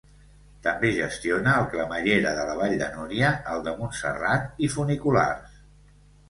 També gestiona el cremallera de la Vall de Núria, el de Montserrat, i funiculars.